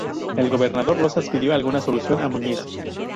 El gobernador Rosas pidió alguna solución a Muñiz.